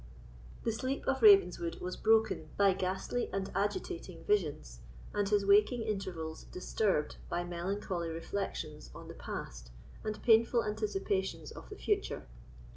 The sleep of Ravenswood was broken by ghastly and agitating visions, and his waking intervals disturbed by melancholy reflections on the past and painful anticipations of the future.